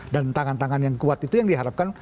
dan tangan tangan yang kuat itu yang diharapkan